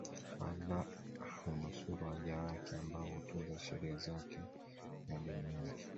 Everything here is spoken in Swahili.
Allah hunusuru waja wake ambao utunza sheria zake na Dini yake